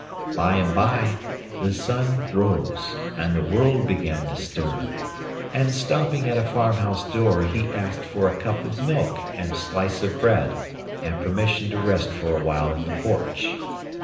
By and bye the sun rose, and the world began to stir, and stopping at a farmhouse door, he asked for a cup of milk and slice of bread and permission to rest for a while in the porch.